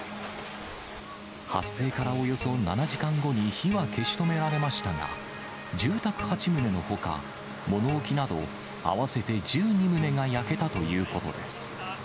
発生からおよそ７時間後に火は消し止められましたが、住宅８棟のほか、物置など合わせて１２棟が焼けたということです。